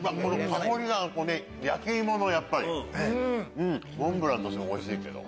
香りが焼き芋のやっぱりモンブランとしてもおいしいけど。